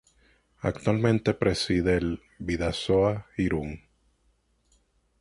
Actualmente preside el Bidasoa Irún.